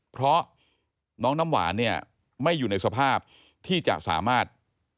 เพราะน้องน้ำหวานเนี่ยไม่อยู่ในสภาพที่จะสามารถ